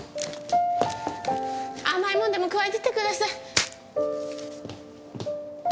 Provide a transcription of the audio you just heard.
甘いもんでもくわえててください。